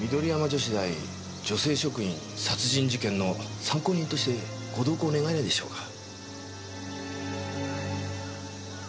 女子大女性職員殺人事件の参考人としてご同行願えないでしょうか？